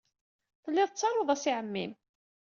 Telliḍ tettaruḍ-as i ɛemmi-m.